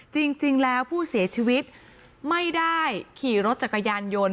จริงแล้วผู้เสียชีวิตไม่ได้ขี่รถจักรยานยนต์